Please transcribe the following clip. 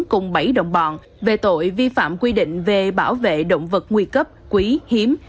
cùng bảy đồng bọn về tội vi phạm quy định về bảo vệ động vật nguy cấp quý hiếm